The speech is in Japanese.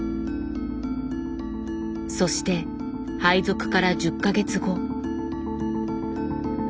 そして配属から１０か月後。